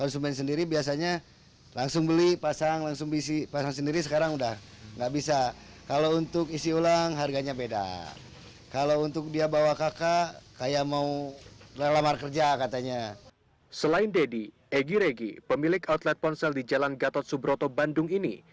selain deddy egy regi pemilik outlet ponsel di jalan gatot subroto bandung ini